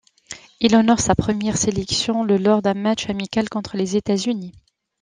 Il honore sa première sélection le lors d'un match amical contre les États-Unis.